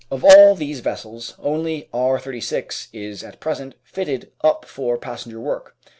Of all these vessels only R. 36 is at present fitted up for passenger work.